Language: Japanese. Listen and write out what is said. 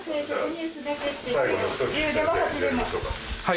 はい。